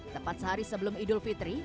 tepat sehari sebelum idul fitri